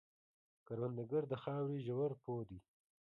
کروندګر د خاورې ژور پوه دی